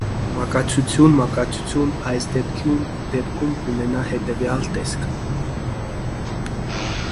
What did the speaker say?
Մակածությունը՝ մակածությունն, այս դեպքում կունենա հետևյալ տեսքը։